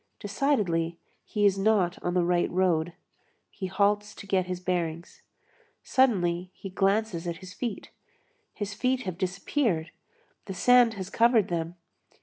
Decidedly, he is not on the right road; he halts to get his bearings. Suddenly he glances at his feet; his feet have disappeared. The sand has covered them.